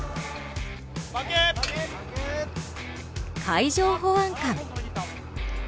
海上保安官。